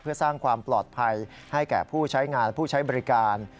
เพื่อสร้างความปลอดภัยให้แก่ผู้ใช้งานและผู้ใช้บริการ